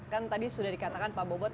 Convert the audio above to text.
kan tadi sudah dikatakan pak bobot